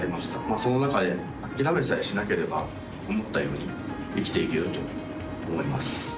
その中で諦めさえしなければ思ったように生きていけると思います。